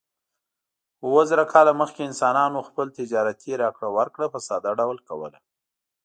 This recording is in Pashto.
اووه زره کاله مخکې انسانانو خپل تجارتي راکړه ورکړه په ساده ډول کوله.